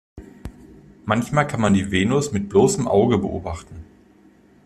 Manchmal kann man die Venus mit bloßem Auge beobachten.